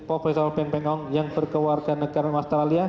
prof beng beng ong yang berkeluarga negara australia